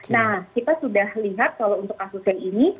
nah kita sudah lihat kalau untuk kasus yang ini